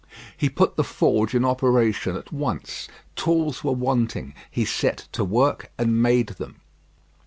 He put the forge in operation at once. Tools were wanting; he set to work and made them.